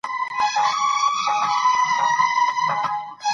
دا ژورنال کم پیژندل شوي اسناد هم خپروي.